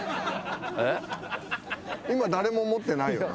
今誰も持ってないよな。